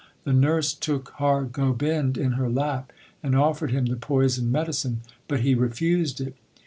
The nurse took Har Gobind in her lap, and offered him the poisoned medicine, but he refused it.